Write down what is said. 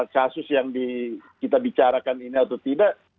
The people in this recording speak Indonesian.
kasus yang kita bicarakan ini atau tidak